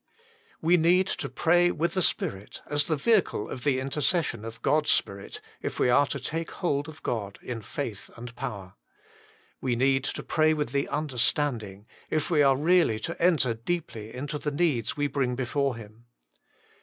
We need to pray with the spirit, as the vehicle of the inter cession of God s Spirit, if we are to take hold of God in faith and power. We need to pray with the understanding, if we are really to enter deeply into the needs we bring before Him.